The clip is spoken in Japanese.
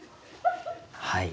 はい。